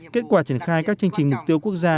kết quả triển khai các chương trình mục tiêu quốc gia